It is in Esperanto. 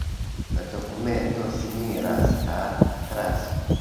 La dokumento similas al atlaso.